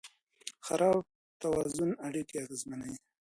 خراب توازن اړیکې اغېزمنوي.